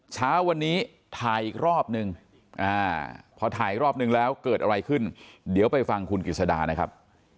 เช้าวันนี้ถ่ายอีกรอบนึงพอถ่ายรอบนึงแล้วเกิดอะไรขึ้นเดี๋ยวไปฟังคุณกิจสดานะครับ